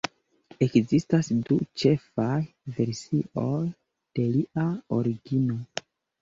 Ekzistas du ĉefaj versioj de lia origino.